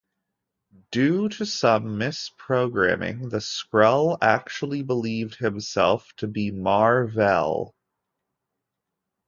Due to some misprogramming, the Skrull actually believed himself to be Mar-Vell.